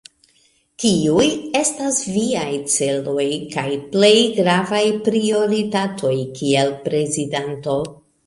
Kiuj estas viaj celoj kaj plej gravaj prioritatoj kiel prezidanto?